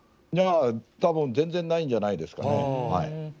多分、全然ないんじゃないですかね。